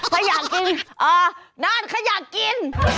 ขยะกินนั่นขยะกิน